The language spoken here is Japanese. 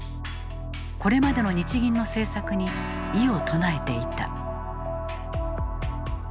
これまでの日銀の政策に異を唱えていた。